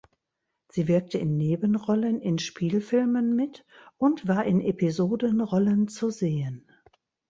Sie wirkte in Nebenrollen in Spielfilmen mit und war in Episodenrollen zu sehen.